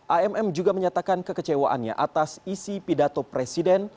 amm juga menyatakan kekecewaannya atas isi pidato presiden